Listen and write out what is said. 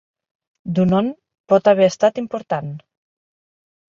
Dunoon pot haver estat important.